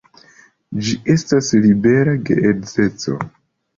Ĝi estis "libera geedzeco".